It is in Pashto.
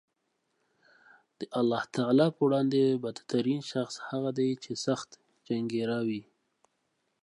د الله تعالی په وړاندې بد ترین شخص هغه دی چې سخت جنګېره وي